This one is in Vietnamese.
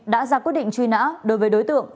đã ra quyết định truy nã đối với đối tượng